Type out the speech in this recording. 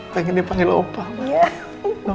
pengen dipanggil opah mak